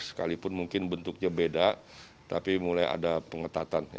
sekalipun mungkin bentuknya beda tapi mulai ada pengetatan